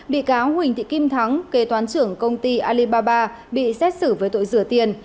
bị cáo huỳnh thị kim thắng kê toán trưởng công ty alibaba bị xét xử với tội rửa tiền